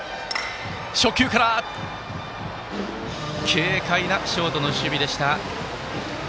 軽快なショートの守備。